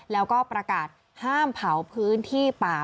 แล้วก็ประกาศห้ามเผาพื้นที่ป่า